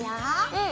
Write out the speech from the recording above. うん。